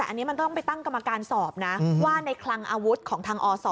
อันนี้มันต้องไปตั้งกรรมการสอบนะว่าในคลังอาวุธของทางอศ